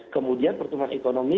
kemudian pertumbuhan ekonomi